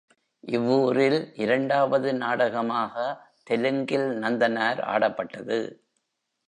இவ்வூரில் இரண்டாவது நாடகமாக தெலுங்கில் நந்தனார் ஆடப்பட்டது.